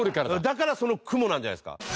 だからその雲なんじゃないですか？